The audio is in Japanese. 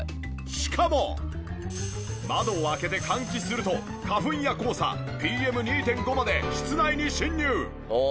しかも窓を開けて換気すると花粉や黄砂ＰＭ２．５まで室内に侵入。